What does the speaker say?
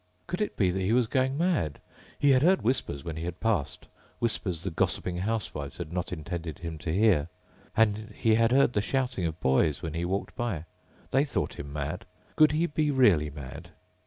Could it be that he was going mad? He had heard whispers when he had passed, whispers the gossiping housewives had not intended him to hear. And he had heard the shouting of boys when he walked by. They thought him mad. Could he be really mad?